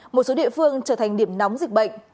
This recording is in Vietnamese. một số địa phương trở thành điểm nóng dịch bệnh